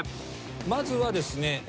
まずはですね